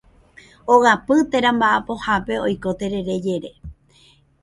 Ogapy térã mba'apohápe oiko terere jere.